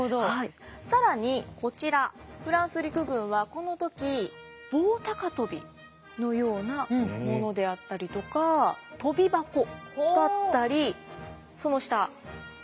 更にこちらフランス陸軍はこの時棒高跳びのようなものであったりとか跳び箱だったりその下ブランコ。